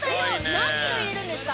何ｋｇ入れるんですか？